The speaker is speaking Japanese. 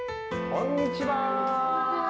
こんにちは。